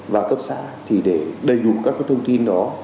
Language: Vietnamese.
và cấp xã thì để đầy đủ các cái thông tin đó